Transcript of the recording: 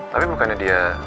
tapi bukannya dia